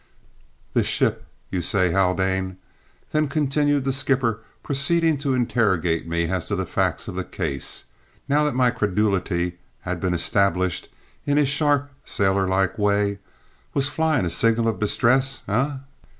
"This ship, you say, Haldane," then continued the skipper, proceeding to interrogate me as to the facts of the case, now that my credulity had been established, in his sharp, sailor like way, "was flying a signal of distress, eh?"